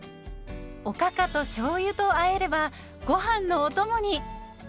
おかかとしょうゆとあえればごはんのおともに。